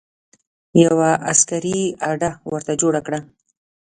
یوه عسکري اډه ورته جوړه کړه.